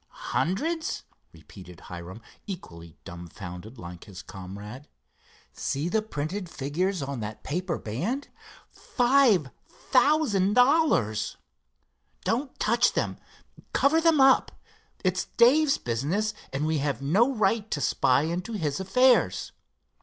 "Hundreds?" repeated Hiram, equally dumbfounded, like his comrade. "See the printed figures on that paper band—'$5,000.' Don't touch them, cover them up. It's Dave's business, and we have no right to spy into his affairs.